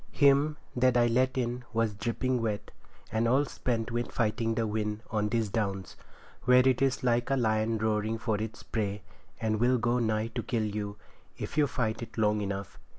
Him that I let in was dripping wet, and all spent with fighting the wind on these Downs, where it is like a lion roaring for its prey, and will go nigh to kill you, if you fight it long enough.